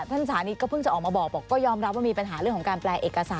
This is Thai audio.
สานิทก็เพิ่งจะออกมาบอกบอกก็ยอมรับว่ามีปัญหาเรื่องของการแปลเอกสาร